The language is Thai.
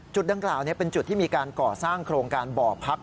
ดังกล่าวเป็นจุดที่มีการก่อสร้างโครงการบ่อพัก